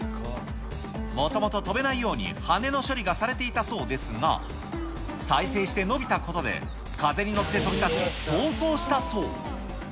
もともと飛べないように羽の処理がされていたそうですが、再生して伸びたことで、風に乗って飛び立ち、逃走したそう。